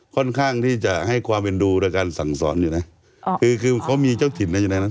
ค่อนข้างที่จะให้ความเป็นดูโดยการสั่งสอนอยู่นะคือคือเขามีเจ้าถิ่นนะอยู่ในนั้น